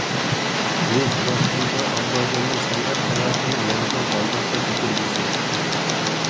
بۇ پىلاستىنكا ئابلاجاننىڭ سەنئەت ھاياتىنى يېڭى بىر بالداققا كۆتۈرگۈسى.